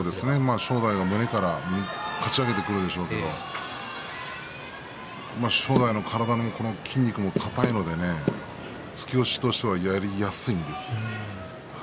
正代は胸からかち上げてくるんでしょうけど正代の体の筋肉も硬いので突き押しとしてはやりやすいんですよ。